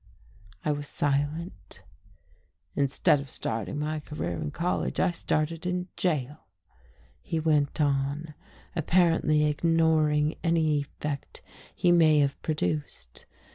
I was silent. "Instead of starting my career in college, I started in jail," he went on, apparently ignoring any effect he may have produced.